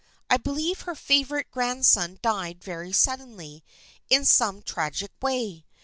I believe her favorite grand son died very suddenly, in some tragic way.